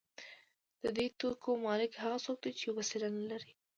د دې توکو مالک هغه څوک دی چې وسیله نلري